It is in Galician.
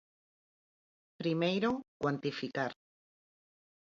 Primeiro, cuantificar.